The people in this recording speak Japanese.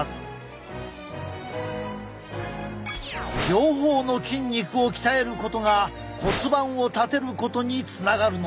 両方の筋肉を鍛えることが骨盤を立てることにつながるのだ。